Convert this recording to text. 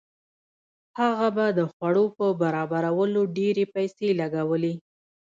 هغه به د خوړو په برابرولو ډېرې پیسې لګولې.